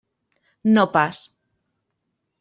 No pas.